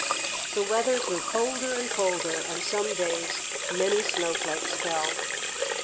The weather grew colder and colder, and some days many snowflakes fell.